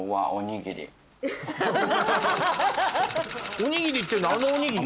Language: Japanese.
おにぎりってあのおにぎり？